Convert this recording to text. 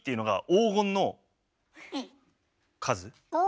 黄金の数。